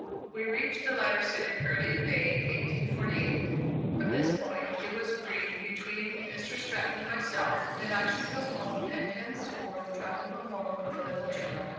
We reached the latter city early in May, 1848. From this point it was agreed between Mr. Stratton and myself, that I should go home and henceforth travel no more with the little General.